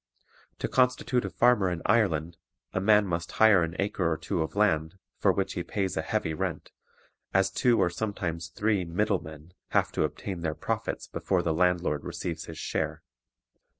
To constitute a farmer in Ireland, a man must hire an acre or two of land, for which he pays a heavy rent, as two or sometimes three "middle men" have to obtain their profits before the landlord receives his share.